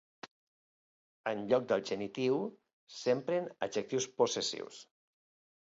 En lloc del genitiu, s’empren adjectius possessius.